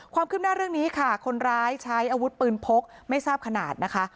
ความคืบหน้าเรื่องนี้ค่ะคนร้ายใช้อาวุธปืนพกไม่ทราบขนาดนะคะ